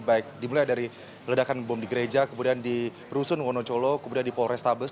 baik dimulai dari ledakan bom di gereja kemudian di rusun wonocolo kemudian di polrestabes